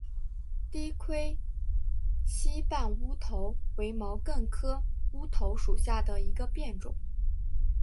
低盔膝瓣乌头为毛茛科乌头属下的一个变种。